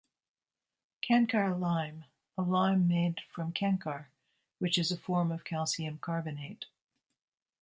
Kankar lime, a lime made from kankar which is a form of calcium carbonate.